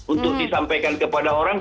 untuk disampaikan kepada orang